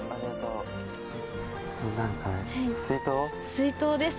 水筒です。